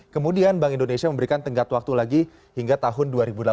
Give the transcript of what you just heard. kemudian bank indonesia memberikan tenggat waktu lagi hingga tahun dua ribu delapan belas